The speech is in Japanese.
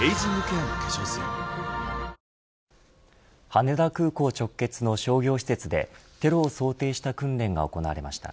羽田空港直結の商業施設でテロを想定した訓練が行われました。